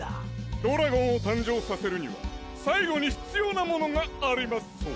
ドラゴンを誕生させるには最後に必要なものがありマッソー。